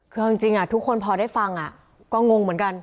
คือจริงทุกคนพอได้ฟังก็งงเหมือนกัน